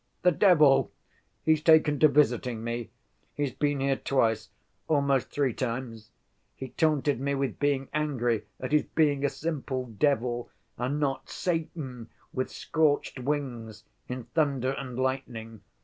"The devil! He's taken to visiting me. He's been here twice, almost three times. He taunted me with being angry at his being a simple devil and not Satan, with scorched wings, in thunder and lightning.